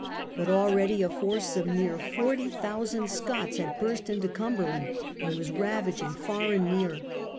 But abready a force of near forty thousand Scots had burst into Cumberland, and was ravaging far and near.